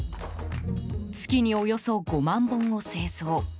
月におよそ５万本を製造。